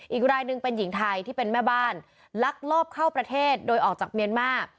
อีกรายหนึ่งเป็นหญิงไทยที่เป็นแม่บ้านลักลอบเข้าประเทศโดยออกจากเมียนมาร์